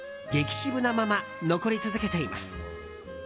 シブなまま残り続けています。